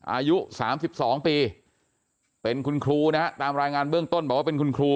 อายุ๓๒ปีเป็นคุณครูนะฮะตามรายงานเบื้องต้นบอกว่าเป็นคุณครู